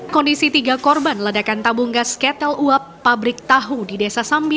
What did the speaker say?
kondisi tiga korban ledakan tabung gas ketel uap pabrik tahu di desa sambi